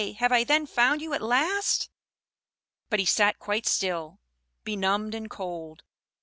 Have I then found you at last?" But he sat quite still, benumbed and cold.